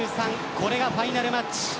これがファイナルマッチ。